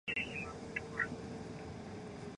僧侣的被提名人必须要有国民议会议长的批准。